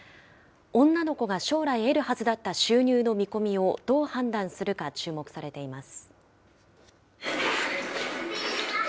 女の子が将来得るはずだった収入の見込みをどう判断するか注目されています。